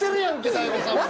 大悟さんも。